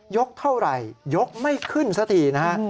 กเท่าไหร่ยกไม่ขึ้นสักทีนะฮะ